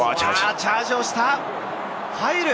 チャージをした。